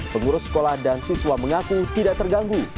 pengurus sekolah dan siswa mengaku tidak terganggu